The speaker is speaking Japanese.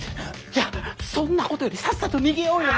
いやそんなことよりさっさと逃げようよ。